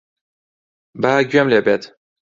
با گوێم لێ بێت.